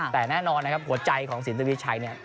แต่แน่นอนนะครับหัวใจของสินทวีชัยเนี่ย